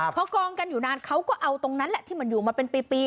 พอกองกันอยู่นานเขาก็เอาตรงนั้นแหละที่มันอยู่มาเป็นปี